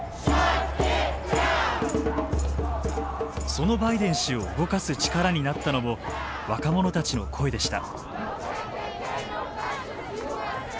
そのバイデン氏を動かす力になったのも若者たちの声でした。